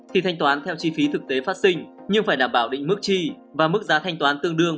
thì thanh toán theo chi phí thực tế phát sinh nhưng phải đảm bảo định mức chi và mức giá thanh toán tương đương